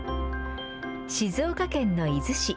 静岡県の伊豆市。